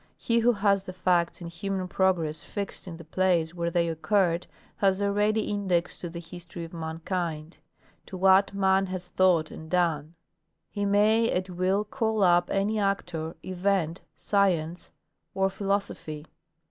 He who has the facts in human progress fixed in the place where they occurred has a ready index to the history of mankind — to what man has thought and done. He may at will call up any actor, event, science, or philosophy.